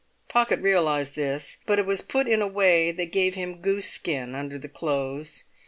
Pocket realised this; but it was put in a way that gave him goose skin under the clothes.